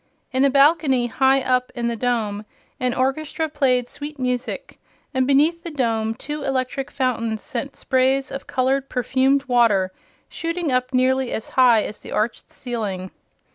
In a balcony high up in the dome an orchestra played sweet music, and beneath the dome two electric fountains sent sprays of colored perfumed water shooting up nearly as high as the arched ceiling.